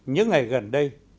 những ngày gần đây